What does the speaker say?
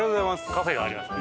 カフェがあります。